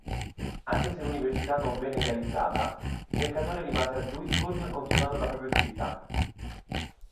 Anche se l'università non venne realizzata, Mercatore rimase a Duisburg continuando la propria attività.